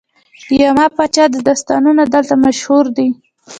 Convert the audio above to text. د یما پاچا داستانونه دلته مشهور دي